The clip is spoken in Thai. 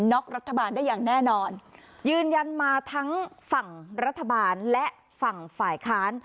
็อกรัฐบาลได้อย่างแน่นอนยืนยันมาทั้งฝั่งรัฐบาลและฝั่งฝ่ายค้าน